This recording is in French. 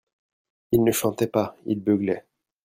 Il ne chantait pas, il beuglait.